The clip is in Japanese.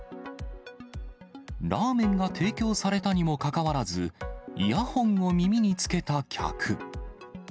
ラーメンが提供されたにもかかわらず、イヤホンを耳につけた客。